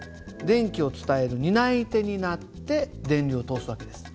電気を伝える担い手になって電流を通す訳です。